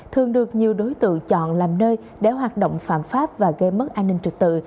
thường được nhiều đối tượng chọn làm nơi để hoạt động phạm pháp và gây mất an ninh trực tự